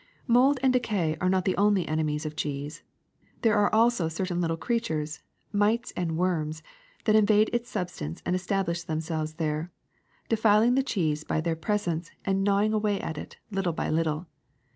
^^Mold and decay are not the only enemies of cheese; there are also certain little creatures, mites and worms, that invade its substance and establish themselves there, defiling the cheese by their pres ence and gnawing it away, little by little.